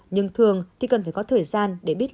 nhưng thường thì cần phải có thời gian để biết